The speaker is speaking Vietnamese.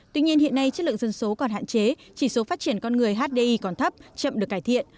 tuy nhiên hiện nay chất lượng dân số còn hạn chế chỉ số phát triển con người hdi còn thấp chậm được cải thiện